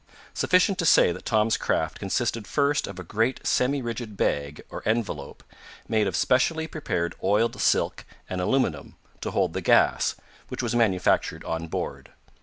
Sufficient to say that Tom's craft consisted first of a great semi rigid bag, or envelope, made of specially prepared oiled silk and aluminum, to hold the gas, which was manufactured on board.